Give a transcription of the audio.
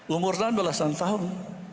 umur enam belas tahun